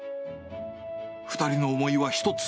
２人の思いは一つ。